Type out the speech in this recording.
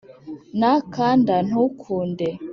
nakanda ntukunde